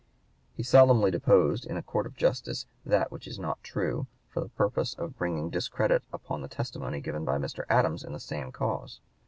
He "solemnly deposed in a court of justice that which is not true," for the purpose of bringing discredit upon the testimony given by Mr. Adams in the same cause.